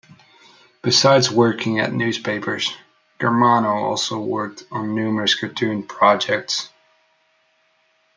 Besides working at newspapers, Germano also worked on numerous cartoon projects.